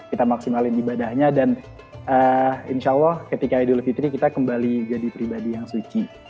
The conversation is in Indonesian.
kita maksimalin ibadahnya dan insya allah ketika idul fitri kita kembali jadi pribadi yang suci